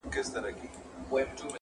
یو څه بېخونده د ده بیان دی،